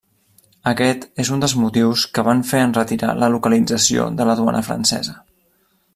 Aquest és un dels motius que van fer enretirar la localització de la duana francesa.